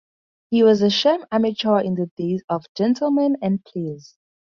He was a sham amateur in the days of gentlemen and players.